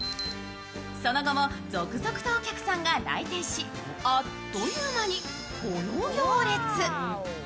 その後も、続々とお客さんが来店しあっという間にこの行列。